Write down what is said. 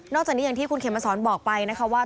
จากนี้อย่างที่คุณเขมสอนบอกไปนะคะว่า